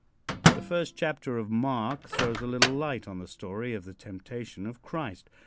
The first chapter of Mark throws a little light on the story of the temptation of Christ.